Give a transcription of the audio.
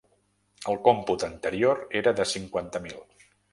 El còmput anterior era de cinquanta mil.